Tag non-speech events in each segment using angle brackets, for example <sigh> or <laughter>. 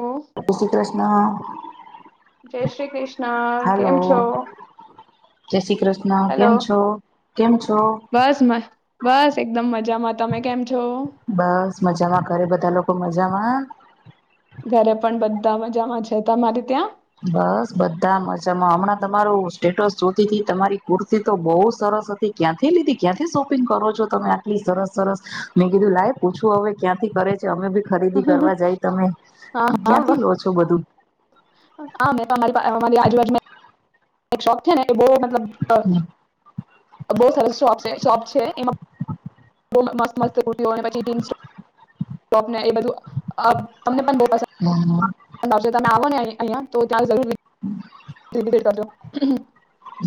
ઓ હય શ્રી કૃષ્ણ. જય શ્રી કૃષ્ણ હલો કેમ છો જય શ્રી કૃષ્ણ હેલો કેમ છો કેમ છો? બસ મ બસ એકદમ મજા બસ મજામાં ધરે બધા લોકો મજામાં? ઘરે પણ બધા મજામાં છે તમારે ત્યાં? બસ બધા મજામાં હમણાં તમારું સ્ટેટસ જોતી તમારી કુર્તી તો બો સરસ હતી ક્યાંથી લીધી ક્યાંથી શોપિંગ કરો છો તમે આટલી સરસ સરસ મેં કીધું લાઈ પૂછવું હવે ક્યાંથી કરે છે અમે બી ખરીદી કરવા જાય તમે હા ક્યાંથી લો છો બધું? આ મેરી અમારી આજુબાજુ એક શોપ છે ને એ બો મતલબ બો સરસ શોપ છે. એમાં <unintelligible> <inaudible> તોને એ બધું તમને પણ બ હમ. <inaudible> <inaudible> અહિયાં તો <unintelligible> <unintelligible> <inaudible>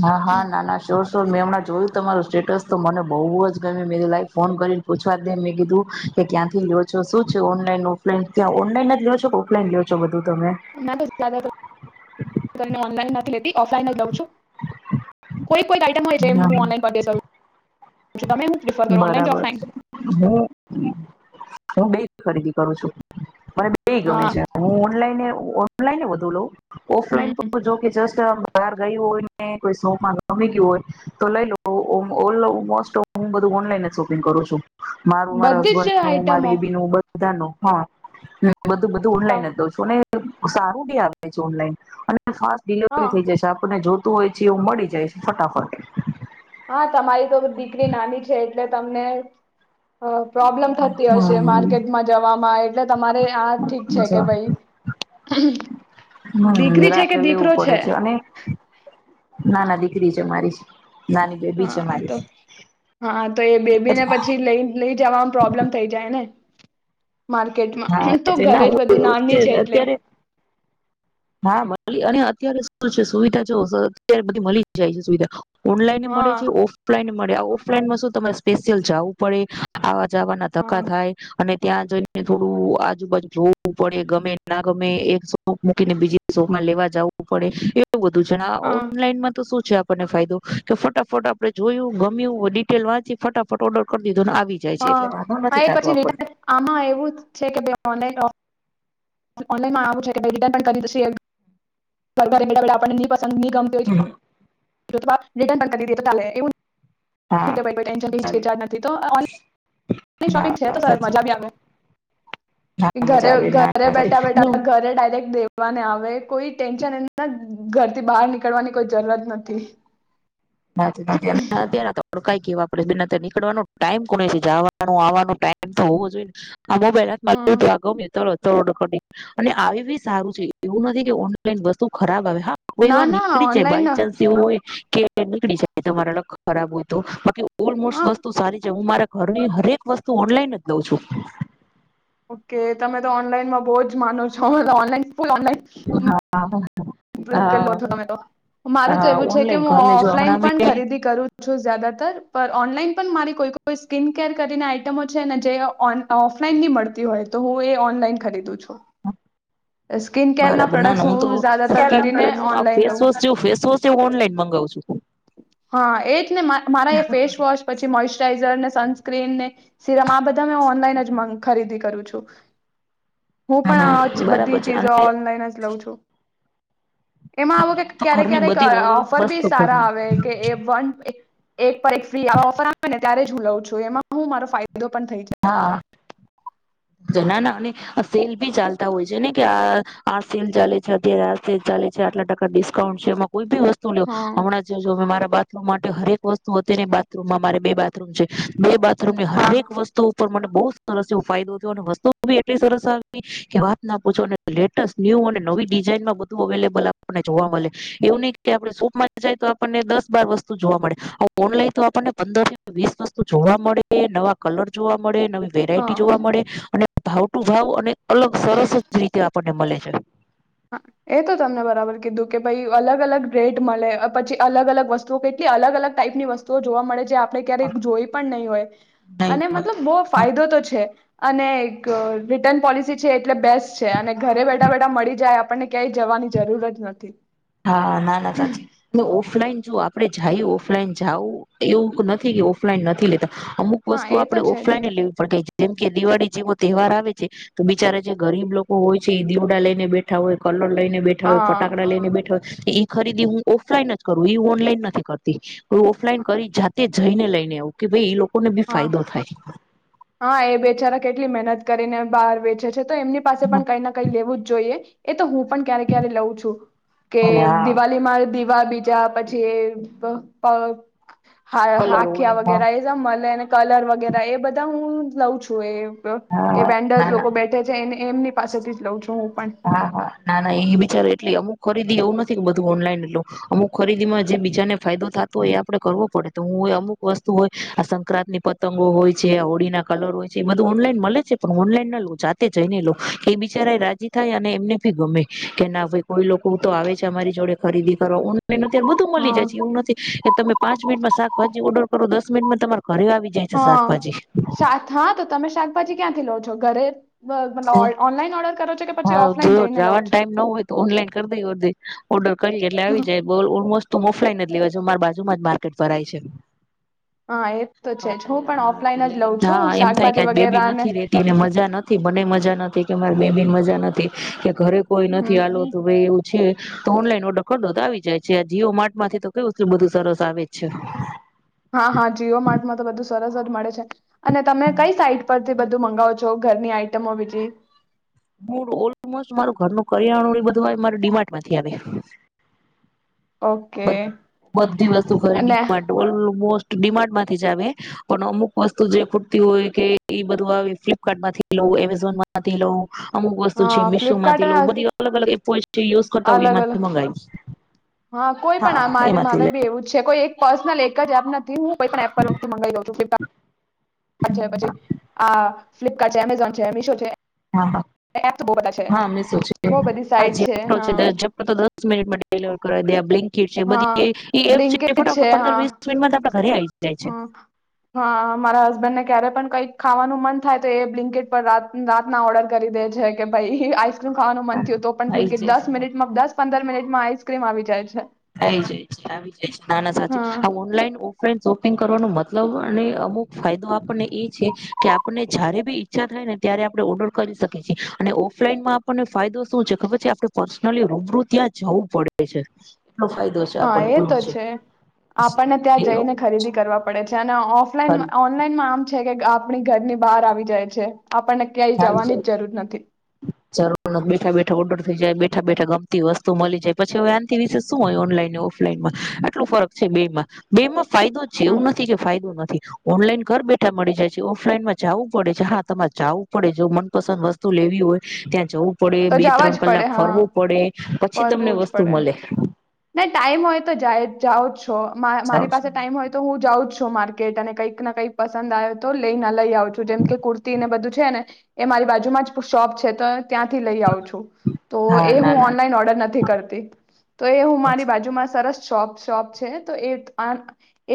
હા! હા ના ના શોર તો મેં હમણાં જોયું તમારું સ્ટેટસ તો મને બહુ જ ગમ્યું, મે કીધુ લાઈ ફોન કરીને પૂછવા દે, મેં કીધું કે ક્યાંથી લો્યો છો શું છે.? ઓનલાઈન, ઓફલાઈન ત્યાં ઓનલાઈન જ લ લો છો ઓફલાઈન લ્યો છો બધું--? તમે <unintelligible> ઓનલાઈન <unintelligible> મે બી ઓફલાઈન લઉ છું. કોઈ કોઈ આઈટમ હોય છ હું હમ ઓનલાઈન <inaudible> છું તમે હું પ્રિફર કરો ઓનલાઈન કે બરાબર ઓફલાઈન છે. હું હું બે જ ખરીદી કરું છું. પણ એ ગમે હા છે. હું ઓનલાઈ યા ઓનલાઈન ને વધુ લઉ ઓફલાઈન હમ તો જોકે જસ્ટ બાર ગઈ હોય ને કોઈ સોમાં ગમી ગયું હોય, તો લઈ લો ઓલ મો તો હું બધું ઓનલાઈન જ શોપિંગ કરું છું. મારું, માર બધી જ હસબન્ડ નું, માર આઈટમો બેબી નું, બ બધ નુ હા બધું બધું ઓનલાઈન હા લવ છું ને સારું બી આવે છે, ઓનલાઈન અને ફાસ્ટ ડિલિવરી થઈ જાય છેં. આપણને જોર તો હોય છે. એવું મળી જાય છે. ફટાફટ હા તમારી તો દીકરી નાની છે એટલે તમને. પ્રોબ્લેમ થતી હશે, હમ માર્કેટમાં જવામાં એટલે, તમારે આ ઠીક છે કે ભાઈ હમ દીકરી છે કે રાખે લેવું દીકરો પડે છે. અને નાના દી દિકરી છે મારી નાની બેબી છે હા તો મારી હા તો એ બેબી ને પછી લઈ લઈ, જવાવામાં પ્રોબ્લેમ થઈ જાય ને. માર્કેટમાં હા તો ના ઘરે જ હુ બધું નાની છે એટલે અત્યારે હા અત્યારે શું છે? સુવિધા જો અત્યારે બધી મળી જાય છે સુવિધા ઓનલાઈન હા મળે છે ઓફલાઈન મળે આવો ઓફલાઇન મા શું તમારે સ્પેશિયલ જાવું પડે આ જાવાના હા ધક્કા થાય અને ત્યાં જોઈ. થોડું આજુબાજુ જોવું પડે ગમે ના ગમે એક શોપ મૂકીને બીજી શોપમાં લેવા જવું પડે વુ બધું છે હા ઓનલાઈન માં તો શું છે આપણને ફાયદો કે ફટાફટ આપણેે જોયું ગમ્યું ડિટેલ વાંચી ફટાફટ ઓર્ડર કરી દી હા હા એ પછી આમાં એવું જ છે શે ઓનલાઇન ઓફલાઇન ઓનલાઈનમાં આવું છે કે રિટર્ન પણ કરી <unintelligible> આપણ ને ની ગમતી હોય <unintelligible> રિટર્ન પણ કરી દે તો ચાલે એવું હા ચાલે હા સાચી હા મજા આવે ના <unintelligible> ઘરે ના સાચી. બેઠા હું બેઠા ઘરે ડાયરેક્ટ લેવા ને આવે કોઈ ટેન્શન ઘરથી બહાર નીકળવાની કોઈ જરૂરત નથી <unintelligible> નીકળવાનો ટાઈમ કોને છે જવાનુંવાનો ટાઈમ તો હોવો જોઈએ હ ને <unintelligible> <unintelligible> અને આવી ભી સારું છે એવું નથી કે ઓનલાઈન વસ્તુ ખરાબ આવે હા કોઈ ના વાર ના નીકળી જાય ઓનલાઈન બાય ચાન્સ હા એવું હોય <unintelligible> ખરાબ હોય તો બાકી ઓલમસ્ટ વસ્તુ સારી છે હું મારા ઘરની હરેક વસ્તુ ઓનલાઈન જ લઉં છું ઓકે તમે તો ઓનલાઈનમાં બો જ માનો છો ઓનલાઈન અમે ઓન ફૂલ ઓનલાઈન <unintelligible> મારું તો એવું છે કે ઓનલાઈન હું ઘરની જો ઓફલાઈન હમણાં પણ મેં ખરીદી કરું છું જ્યાદાતર ઓનલાઈન પન મારી કોઈ કોઈ સ્કીિન કેર કરીને આઈટમો છે ને જે ઓ ઓફલાઈન ની મળતી હોય તો હું એ ઓનલાઈન ખરીદું છું સ્કીિન કેરના બરાબર ના પ્રોડક્ટ્સ ના હું તો જ્યાદાતર સ્કીર કરીને ઓનલાઈન લઉં નું ફેસવોશ ઓનલાઈન મગાવ છું હા એ જ ને મા મારા ફેસ વોશ પછી મોચરાઈ સન સ્ક્રેન ને સીરમ આ બધું તો ઓનલાઈન જ માં ખરીદી કરું છું હું હા પણ હા આ જ બરાબર બધી છે ચીજો અને ઓનલાઈન જ લઉં છું એમાં આવો કે તો ક્યારેક ઘરની ક્યારેક બધી અ ઓલ ઓફર ભી વસ્તુ સારા ઘરની આવે તે એ કે એ વન એક એક એક પર એક ફ્રી આવા ઓફર આવેને ત્યારે જ હું લઉં છું એમાં હું મારો ફાયદો ફાયદો પણ થઈ જાય. જો ના ના અને સેલ ભી ચાલતા હોય છે ને કે આ આ સેલ ચાલે છે અત્યારે આ સેલ ચાલે છે આટલા ટકા ડિસ્કાઉન્ટ છે કોઈ ભી વસ્તુ લો હા હમણાં જે જો મારા બાથરૂમ માટે હરેક વસ્તુ અત્યારે બાથરૂમમાં મારે બે બાથરૂમ છે બે બા બાથરૂમમાં હા. હરેક વસ્તુ ઉપર મને બો સરસ એવો ફાયદો અને વસ્તુ ભી એટલી સરસ આવી કે વાત ના પૂછો અને લેટેસ્ટ ન્યુ અને નવી ડિઝાઇનમાં બધું અવેલેબલ આપણને જોવા મળે એવું નહિ કે આપ શોપમાં જાય તો આપણને દસ બાર વસ્તુ જોવા મળે ઓનલાઈન તો આપણને પંદર વીસ વસ્તુ જોવા મળે નવા કલર જોવા મ મળે નવી વેરાયટી જોવા મળે હા ભાવ ટુ ભાવ અને અલગ સરસ જ રીતે આપ વટે મલે છે. હા એ તો તમને બરાબર કીધું કે ભઈ અલગ-અલગ રેટ મલે પછી અલગ અલગ વસ્તુઓ કેટલી અલગ અલગ ટાઈપ ની વસ્તુઓ જોવા મળે જે આપણે ક્યારેક જોઈ પણ નહી હોય અને મતલબ બો ફાયદો તો છે. અને એક રિટર્ન પોલિસી છે એક એટલે બેસ્ટ છે અને ઘરે બેઠા બેઠા મળી ક્યાંય આપણને ક્યાંય જવાની જરૂર જ નથી. હા ના-ના સાચી ઓફલાઈન જો આપડે જાયું ઓફલાઈન જાવું એવું નથી કે ઓફલાઈન નથી લેતા અમુક હા વસ્તુ એ તો આપડે છે જ ઓફલાઈન એ લેવી પડે જેમ કે દિવાળી જેવા તહેવાર આવે છે તો બિચારા જે ગરીબ લોકો હોય છે એ દીવડા લઈને બેઠા હોય કલ લઈને બેઠા હોય હા ફટાકડા લઈને બેઠા ઈ ખરીદી હું ઓફલાઈન જ કરું ઈ હુ ઓનલાઈન નથી કરતી. ઓ ઓફલાઈન કરી જાતેજ જઈને લઈને આવું કે ભઈ ઈ લોક લોકોને બી હા ફાયદો થાય. હા એ બેચારા કેટલી મહેનત કરીને બહાર વેચે છે. તો તો એમની પાસે પણ કંઈ ના કંઈ લેવું જ જોઈએ. એ તો હુ પણ ક્યારે ક્યારે લઉ છું કે હા દિવાલી માં દીવ વા બીજા પછી વ અ હા કલર હાખિયા હોય વગેરે એ ઝા મલેને કલર વગેરા એ બધ તાં હું લઉ છું એ એ હા વેન્ડર્સ નાના લોકો બેઠે છે એને એમની પાસેથી જ લઉં છું હું. પણ હા, હા, ના, ના એ બિચારે એટલી અમ અમુક ખરીદી, એવું નથી કે બધું ઓનલાઈન લઉ. અમુક ખરીદી માં જે બીજાને ફાયદો થાતો હોય, એ આપડે કરવો પડે તો હું અમુક વસ્તુ હોય આ સંક્રાંતની પતંગો હોય છે આ હોળી ના કલર હોય છે એ બધું ઓનલાઈન મલે છે પણ ઓનલાઈન ન લઉ, જાતે જઈને લઉ કે ઈ બિચારા એ રાજી થાય અને એમને ભી ગમે કે ના ભાઈ, કોઈ લોકો તો આવે છે અમારી જોડે ખરીદી કરવા અત્યારે બધું મલી હા જાય છે, એવું નથી કે તમે પાંચ મિનિટમાં સાકભાજી ઓડર કરો દસ પાંચ મિનિટમાં તમારા હા, સા, હા, તો તમે શાકભાજી ક્યાંથી લો છો? ઘરે હે, મતલબ ઓનલાઈન ઓર્ડર કરો છો કે પછી હા, જો ઓફલાઈન જઈને લો જાવાન છો ટાઈમ નો હોય તો ઓનલાઈન કરી દેે ઓડિર ઓડખ કરી, એટલે આવી જાય. બોલ, ઓલમોસ્ટ તો ઓફલાઈન જ લેવા જાવ, મારા બાજુમાં જ માર્કેટ ભરાય છે. હા એ તો <unintelligible> છે જ હું પણ ઓફલાઈન જ એટલે લઉં છું હા, એમ થાય કે શાકભાજી આ બેબી વગેરેને નથી રેતી, ને મજા નથી બને મજા મજા નથી, કે મારી બેબીન મજા નથી કે ઘરે કોઈ હમ નથી, આલો તો રે એવું છે. તો ઓનલાઈન ઓડર કર દો તો આવી જાય છે, આ જીઓ માર્ટ માંથી તો કઈએટલું બધું સરસ આવે છે! હા, હા જીઓ માર્ટમાં તો બધું સરસ જ મળે છે. અને તમે કઈ સાઈટ પરથી બધું મંગાવો છો ઘરની આઈટમો બીજી? હું ઓલમોસ્ટ મારું ઘરનું કરિયાણું ને બધું મારી મારે ડી માર્ટ માંથી આવે ઓકે બધ, બધી વસ્તુ ઘરે ડી અને માર્ટ, ઓલમોસ્ટ ડી માર્ટમાંથી જ આવે પણ અમુક વસ્તુ જે ખુટતી હોય કે એ બધું આવે ફ્લિપકાર્ટમાંથી લઉ, એમેઝોનમાંથી લઉં અમુક વસ્તુ છે હા મિશો ફ્લિપકાર્ટ માંથી લઉ, બધી અલગ અલગ એપ હોય છે યુઝ કરતા હોય અલગ એમાંથી અલગ. મંગાવી હા, કોઈ પણ. આ મારે એમાંથી મારે લે બી એવું જ છે, કોઈ એક પર્સનલ એક જ એપ નથી, હું કોઈ પણ એપ પર હું થી મંગાવી લઉ છું, ફ્લિપકાર્ટ આ છે પછી, આ ફ્લિપ આ છે એમેઝોન છે, મિશો છે. હા એપ તો બહુ બધા છે હા, મિસો છે, બહુ બધી સાઈટ આજીઓ ઓટો છે, હા <unintelligible> તો દસ મિનિટમાં ડેલિવર કરવી દે આ બ્લિંક ઇટ છે, હા બધીય ઈ એપ છે બ્લિંકેટ ફટાફટ પંદર હા વીસ મિનિટમાં તો આપણા હ હા મારા હસબેન્ડને ક્યારે પણ કઈક ખાવાનું મન થાય, તો એ બ્લિંકેટ પર રાતના ઓર્ડર કરી દે છે કે ભાઈ નું ખાવાનું હા મન થયું આઈ બ્લેનકીટ જાય છે દસ મિનિટમાં દસ પંદર મિનિટમાં આઈસક્રીમ આવી જાય છે. આવી જાય છે આવી જાય છે નાના સાચી હા આ ઓનલાઈન ઓફલાઈન શોપિંગ કરવાનો મતલબ અને અમુક ફાયદો આપણને એ છે કે આપને જયારે બી ઈચ્છા થાય ને ત્યારે આપણે ઓર્ડર કરી શકીએ છીએ અને, ઓફલાઈનમાં આપણને ફાયદો શું છે ખબર છે, આપણે પર્સનલી રૂબરૂ ત્યાં જવું પડે છે. એટલો ફાયદો છે હા આપણને એ બોલું તો છે આપણને ત્યાં એવું જઈને બધું ખરીદી છે કરવા પડે છે, અને ઓફલાઈન ખરું ઓનલાઈનમાં આમ છે કે આપણી ઘરની બહાર આવી જાય છે. આપણને ક્યાંય આવી જાય જવાની જ જરૂર નથી. જરૂર બેઠા બેઠા ઓર્ડર થઈ જાયે બેઠા બેઠા ગમતી વસ્તુ મળી જાય, પછી આનથી વિશે શું હોય ઓનલાઈન ઓફલાઈનમાં આટલું ફરક હમ, છે, બે માં બેમા ફાયદો છે એવું નથી કે ફાયદો નથી ઓનલાઈન ઘર બેઠા મળી જાય છે. ઓફલાઈનમાં જવું પડે છે. હા તમારે જાવું પડે જો મનપસંદ વસ્તુ લેવી હોય ત્યાં જવું પડે તો બે જવા ત્રણ જ પડે કલાક હા ફરવું પડે પછી તમને ફરવું જ વસ્તુ પડે મળે. ને ટાઈમ હોય તો જાય જ જાઓ જ મારી પાસે હા ટાઈમ હોય તો હું જાઉ જ છું. માર્કેટ - કંઈક ને કંઈક પસંદ આવે તો લઈને લઈ આવ છું. જેમ કે કુર્તી ને બધું છે ને એ મારી બાજુમાં જ શોપ છે તો ત્યાંથી લઈ આવ છું. તો એ ના હું ના ઓનલાઈન ઓર્ડર નથી કરતી. એ હું મારી બાજુમાં સરસ શોપ શોપ છે તો એ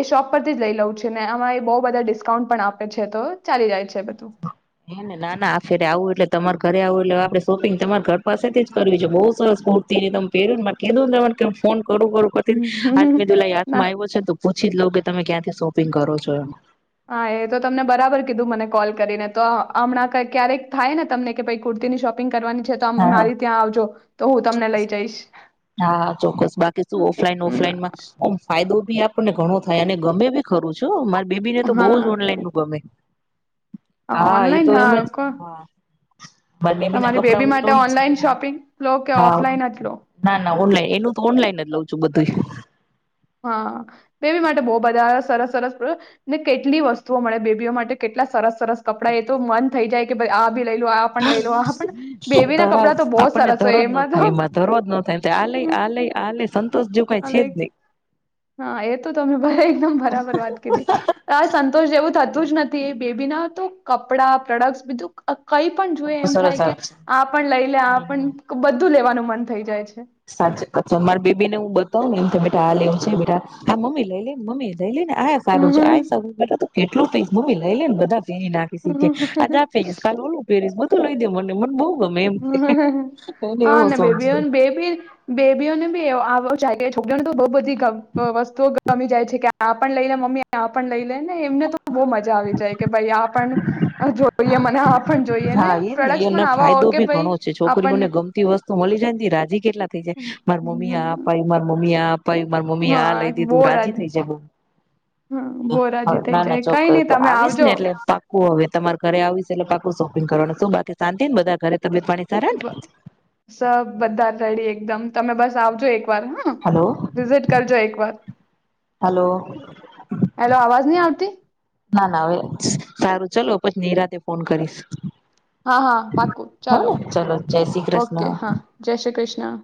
એ શોપ પરથી જ લઈ લઉં છે ને આમાં એ બહુ બધા ડિસ્કાઉન્ટ પણ આપે છે તો ચાલી જાય છે. બધું હેને, ના ના આ ફેરે આવું એટલે તમાર ઘરે આવું એટલે આપણે શોપિંગ તમારે ઘર પાસેથી જ કરવી છે. બહુ સરસ કુર્તી ને તમે પેરુ ને મ એવું લેવાનું કે હુ ફોન કરું કરું પરથી આજ મેકુ લા હયાથ ના માં આવ્યો છે તો પૂછી જ લવ કે તમે ક્યાંથી શોપિંગ કરો છો? હા એ તો તમને બરાબર કીધું મને કોલ કરીને તો, હમણાં કય ક્યારેક થાય ને તમને કે કુર્તીની શોપિંગ કરવાની છે તો હા હા મારી ત્યાં આવજો, તો હું તમને લઈ જઈશ હા ચોક્કસ. બાકી શું ઓફલાઈન હમ, ઓફલાઈનમાં ફાયદો બી આપણે ઘણો થાય, અને ગમે બી ખરું છે બેબી ને તો હા બહુ જ ઓનલાઈન નું ગમે. હા એ ઓનલાઈન તો એમ જ હા કો હા મારી ના તમારી કપડા બેબી હું માટે લઉં ઓનલાઈન જ શોપિંગ લો કે હા ઓફલાઈન જ લો ના ના ઓનલાઈન, એનું તો ઓનલાઈન જ લઉં છું બધું એ. હા બેબી માટે બહુ બધા સરસ સરસ ને કેટલી વસ્તુઓ મળે બેબીઓ માટે કેટલા સરસ સરસ કપડા એ તો મન થઈ જાય કે ભાઈ આ આ ભી લઈ લો આ પણ લઈ લો આ પણ બેબી ના ધરાય કપડા તો બોજ આપણને સરસ હો ધરો જ ન એમાં તો થાય ધરો જ ન થાય આ લઈ આ લઈ આ લઈ સંતોષ જેવું કઈ છે ચાલે. જ નહી હા એ તો તમે એકદમ બરાબર વાત કીધી આ સંતોષ જેવું થતું ધું જ નથી બેબી ના તો કપડા પ્રોડક્ટ બીધું કઈ પણ જુએ એમ સરસ થાય કે, આપ છે આ પણ લઈ લે આ પણ બધું લેવાનું. મન થઈ જાય છે. સાચે કે મારે બેબી ને હું બ કવ ને કે બેટા આ લેવું છે બેટા તો હા મમ્મી લઈ લે ને મમી લઈ લે ને આ સારું છે આએ સ કેટલું થઈ, મમ્મી લઈલે ને બધા <unintelligible> ના કીધી તે કે આજે આ પેરિશ કાલે ઓલુ પહેરીશ બધું તો, લઈ દે મને મને બો હા હા આને શોખ બેબી છે ઓને, બેબી જ. બેબીઓને બી આવો <unintelligible> છોકરીઓને તો બો બધી. વસ્તુઓ ગમી જાય છે કે આ આ પણ લઈ લે મમ્મી આ પણ લઈ લે ને એમને તો બહુ મજા આવી જાય કે--, ભાઈ આપણ જોઈએ મને આપ. પણ જોઈએ ને, હા એ જ પ્રોડક્ટ પણ એનો આવા હો ફાયદો બી ભાઈ ઘણો છે આપણને છોકરીઓને ગમતી વસ્તુ મળી જાયતો એ રાજી કે થઈ જાય મારા મમ્મી આપ આ હમ. અપાવ્યું, મારા મમ્મી એ આ અપાવ્યું મારી મમ્મી એ આ લઇ હા બહુ દીધું રાજી થાઈ જાયે બો હા બહુ હ રાજી થઈ ના ના જાય કઈ નહી ચોક્કસ તમે આવીશ આવજો ને એટલે પાકુ હું હવે, તમારે ઘરે આવીશ એટલે પા હું શોપિંગ કરવાની છું, બાકી શાંતિ ને બધા ઘરે. તબિયત પાણી સારા ને સબ બધા રેડી એકદમ તમે બસ. આવજો એક એકવાર હા, હલો વિઝિટ કરજો એક વાર. હલો. હેલો, અવાજ નહી આવતી. ના ના હવે, સારું ચલો પછી નિરાતે ફોન કરીશ. હા હા પાકું હો ચાલો, ને ચલો જય શ્રી ઓકે કૃષ્ણ હા, જય શ્રી કૃષ્ણ.